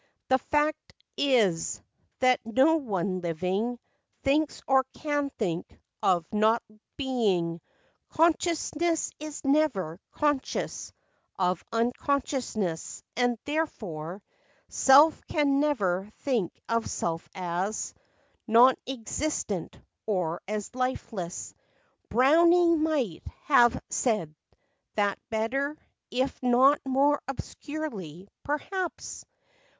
The fact is, that no one living Thinks, or can think, of not being. Consciousness is never conscious Of unconsciousness; and therefore Self can never think of self as Non existent, or as lifeless. Browning might have said that better, If not more obscurely, perhaps.